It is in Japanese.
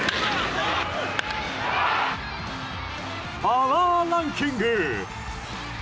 パワーランキング！